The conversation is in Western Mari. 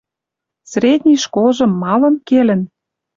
Средний школжым малын келӹн